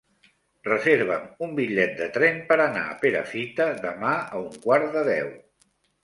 Reserva'm un bitllet de tren per anar a Perafita demà a un quart de deu.